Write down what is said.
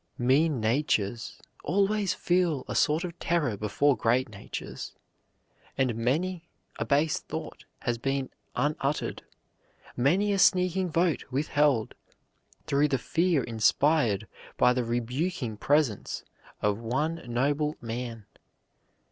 "Mean natures always feel a sort of terror before great natures, and many a base thought has been unuttered, many a sneaking vote withheld, through the fear inspired by the rebuking presence of one noble man."